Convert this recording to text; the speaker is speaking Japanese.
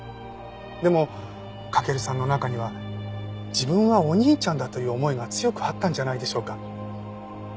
でも駆さんの中には自分はお兄ちゃんだという思いが強くあったんじゃないでしょうか。